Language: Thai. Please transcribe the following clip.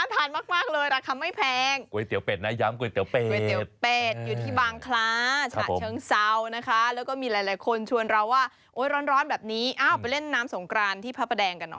แต่ว่าเอาแจ๊นน้อยเอาเส้นหมี่ชามนึงเก็บตังค์ที่คุณชนะ